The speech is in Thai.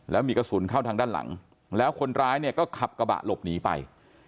แล้วมีกระสุนเข้าทางด้านหลังแล้วคนร้ายเนี่ยก็ขับกระบะหลบหนีไป